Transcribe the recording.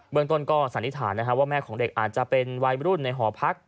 เมืองต้นก็สันนิษฐานว่าแม่ของเด็กอาจจะเป็นวัยรุ่นในหอพัก